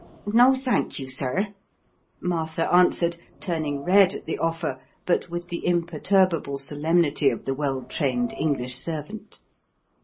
"No, thank you, sir," Martha answered, turning red at the offer, but with the imperturbable solemnity of the well trained English servant.